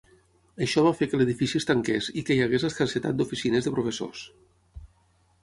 Això va fer que l'edifici es tanqués i que hi hagués escassetat d'oficines de professors.